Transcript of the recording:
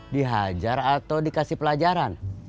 dihajar atau dikasih pelajaran